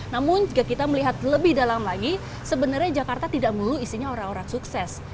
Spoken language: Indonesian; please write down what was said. namun jika kita melihat lebih dalam lagi sebenarnya jakarta tidak melulu isinya orang orang sukses